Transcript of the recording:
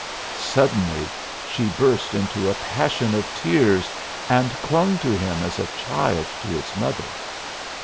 Suddenly she burst into a passion of tears and clung to him as a child to its mother.